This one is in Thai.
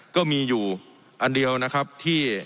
ก็มีอยู่อันเดียวนะครับที่